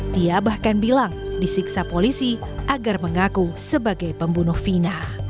dia bahkan bilang disiksa polisi agar mengaku sebagai pembunuh vina